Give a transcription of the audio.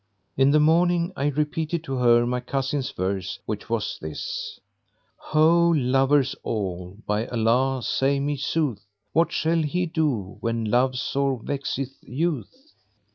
In the morning, I repeated to her my cousin's verse which was this, "Ho, lovers all! by Allah say me sooth * What shall he do when Love sor' vexeth youth?"